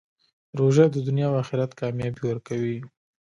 روژه د دنیا او آخرت کامیابي ورکوي.